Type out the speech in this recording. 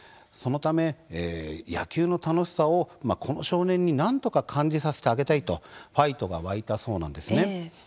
そのため野球の楽しさをこの少年になんとか感じさせてあげたいとファイトが湧いたそうです。